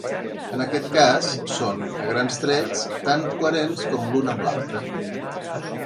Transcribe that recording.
En aquest cas, són, a grans trets, "tan coherents com l'un amb l'altre".